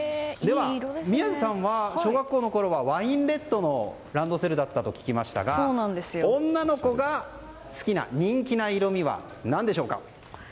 宮司さんは小学生のころはワインレッドのランドセルだったと聞きましたが女の子が好きな人気の色味は何でしょうか？